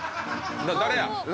誰や？